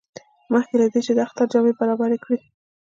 مخکې له دې چې د اختر جامې برابرې کړي.